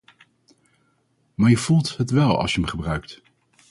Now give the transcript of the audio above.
Maar je voelt het wel als je 'm gebruikt.